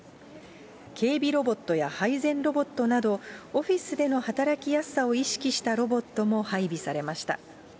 警備ロボットや配膳ロボットなど、オフィスでの働きやすさを意識したロボットも配備されました。